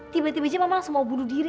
tiba tiba aja mama langsung mau bunuh diri